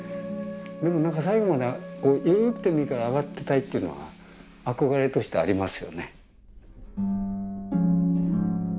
でも何か最後まで緩くてもいいから上がってたいというのは憧れとしてありますよね。